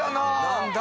何だ？